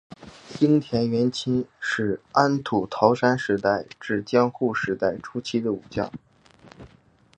樱田元亲是安土桃山时代至江户时代初期的武将。